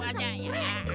udah deh pesen aja